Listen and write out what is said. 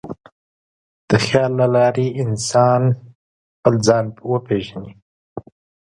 د خیال له لارې انسان خپل ځان وپېژني.